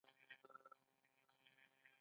هوښیار انسان تل د ځان اصلاح ته لګیا وي.